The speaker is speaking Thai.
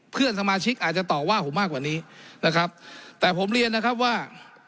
เพื่อนสมาชิกอาจจะต่อว่าผมมากกว่านี้นะครับแต่ผมเรียนนะครับว่า